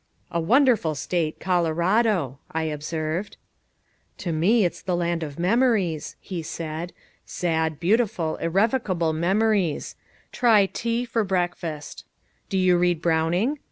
"A wonderful state Colorado," I observed. "To me it's the land of memories," he said. "Sad, beautiful, irrevocable memories try tea for breakfast do you read Browning?